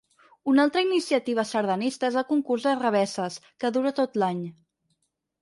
Una altra iniciativa sardanista és el concurs de revesses, que dura tot l’any.